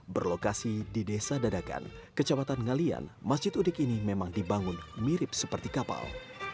berlokasi di desa dadakan kecamatan ngalian masjid udik ini memang dibangun mirip seperti kapal